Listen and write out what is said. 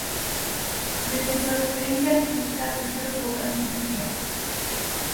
De su experiencia artística surgió su vocación social.